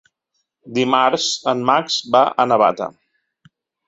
Dimarts en Max va a Navata.